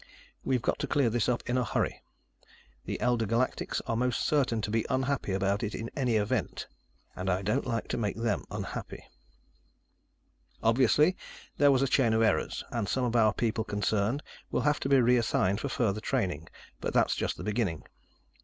We've got to clear this up in a hurry. The Elder Galactics are most certain to be unhappy about it in any event, and I don't like to make them unhappy. Obviously, there was a chain of errors, and some of our people concerned will have to be reassigned for further training, but that's just the beginning.